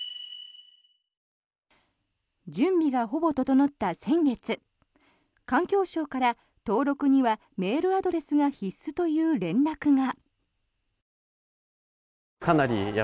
準備がほぼ整った先月環境省から登録にはメールアドレスが必須という連絡が。